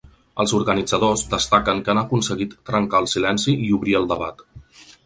Els organitzadors destaquen que han aconseguit trencar el silenci i obrir el debat.